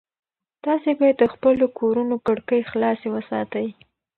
تاسي باید د خپلو کورونو کړکۍ خلاصې وساتئ.